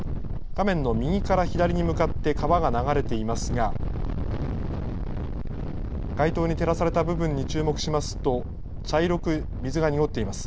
画面の右から左に向かって川が流れていますが、街灯に照らされた部分に注目しますと、茶色く水が濁っています。